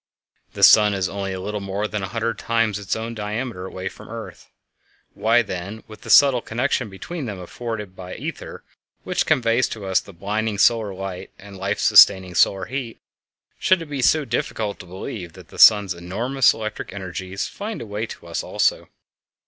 The sun is only a little more than a hundred times its own diameter away from the earth. Why, then, with the subtle connection between them afforded by the ether which conveys to us the blinding solar light and the life sustaining solar heat, should it be so difficult to believe that the sun's enormous electric energies find a way to us also?